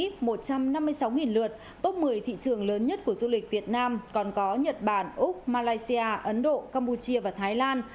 tốt một mươi thị trường lớn nhất của du lịch việt nam còn có nhật bản úc malaysia ấn độ campuchia và thái lan